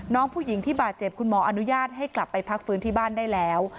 น้องผู้หญิงที่บาดเจ็บคุณหมออนุญาตให้กลับไปพักฟื้นที่บ้านได้แล้ว